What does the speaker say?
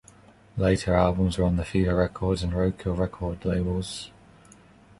Later albums were on the Fever Records and Roadkill Records labels.